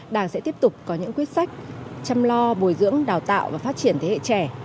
đảng sẽ tiếp tục có những quyết sách chăm lo bồi dưỡng đào tạo và phát triển thế hệ trẻ